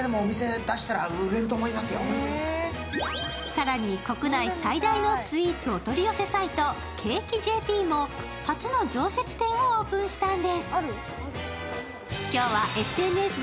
更に、国内最大のスイーツお取り寄せサイトＣａｋｅ．ｊｐも発表の常設店をオープンしたんです。